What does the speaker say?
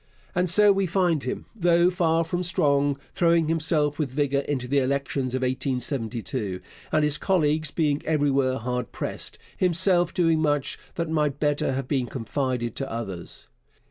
And so we find him, though far from strong, throwing himself with vigour into the elections of 1872, and, his colleagues being everywhere hard pressed, himself doing much that might better have been confided to others.